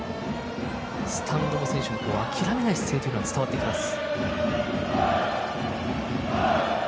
スタンドも選手も諦めない気持ちが伝わってきます。